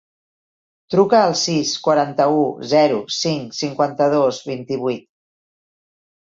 Truca al sis, quaranta-u, zero, cinc, cinquanta-dos, vint-i-vuit.